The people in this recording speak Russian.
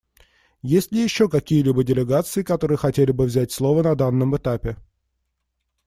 Есть ли еще какие-либо делегации, которые хотели бы взять слово на данном этапе?